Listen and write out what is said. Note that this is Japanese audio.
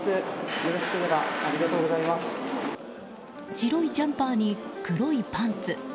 白いジャンパーに黒いパンツ。